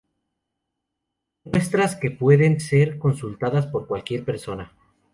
muestras que pueden ser consultadas por cualquier persona